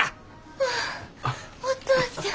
ああお父ちゃん。